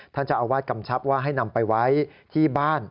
ท่านเจ้าอาวาสกำชับว่าให้นำไปไว้ที่บ้าน